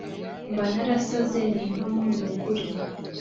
Mba narasaze nimpamo nukuri..